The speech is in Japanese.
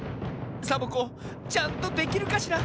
サボ子ちゃんとできるかしら？